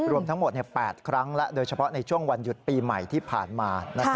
รวมทั้งหมด๘ครั้งและโดยเฉพาะในช่วงวันหยุดปีใหม่ที่ผ่านมา